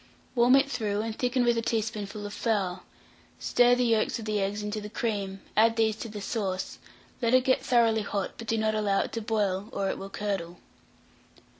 Warm it through, and thicken with a teaspoonful of flour; stir the yolks of the eggs into the cream; add these to the sauce, let it get thoroughly hot, but do not allow it to boil, or it will curdle.